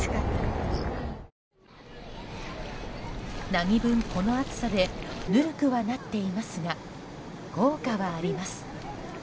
なにぶん、この暑さでぬるくはなっていますが効果はあります。